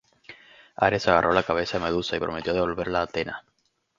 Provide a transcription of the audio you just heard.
Ares agarró la cabeza de Medusa y prometió devolverla a Athena.